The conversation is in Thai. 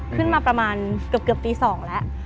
ขึ้นมาประมาณเกือบตี๒แล้ว